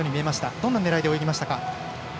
どんな狙いで泳ぎましたか。